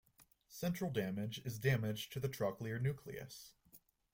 Central damage is damage to the trochlear nucleus.